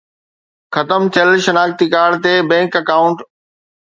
ختم ٿيل شناختي ڪارڊ تي بينڪ اڪائونٽ